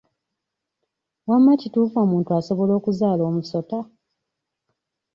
Wamma kituufu omuntu asobola okuzaala omusota?